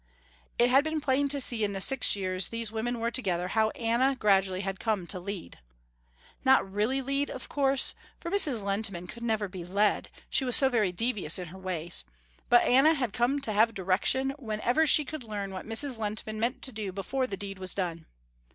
It had been plain to see in the six years these women were together, how Anna gradually had come to lead. Not really lead, of course, for Mrs. Lehntman never could be led, she was so very devious in her ways; but Anna had come to have direction whenever she could learn what Mrs. Lehntman meant to do before the deed was done.